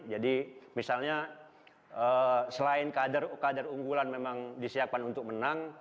jadi misalnya selain kader kader unggulan memang disiapkan untuk menang